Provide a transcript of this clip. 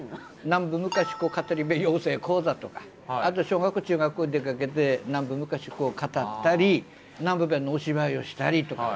南部昔コ語り部養成講座とかあと小学校中学校出かけて南部昔コを語ったり南部弁のお芝居をしたりとか。